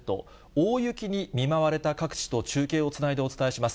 大雪に見舞われた各地と中継をつないでお伝えします。